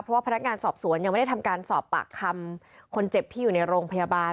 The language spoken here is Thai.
เพราะว่าพนักงานสอบสวนยังไม่ได้ทำการสอบปากคำคนเจ็บที่อยู่ในโรงพยาบาล